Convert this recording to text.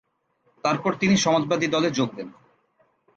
তারপর তিনি সমাজবাদী দলে যোগ দেন।